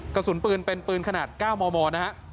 กระสุนปืนเป็นปืนขนาด๙มมนะฮะ